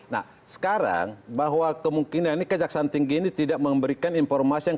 nah sekarang bahwa kemungkinan ini kejaksaan tinggi ini tidak memberikan informasi yang